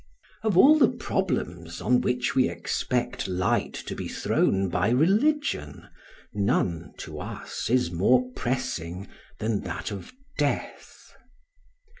Of all the problems on which we expect light to be thrown by religion none, to us, is more pressing than that of death.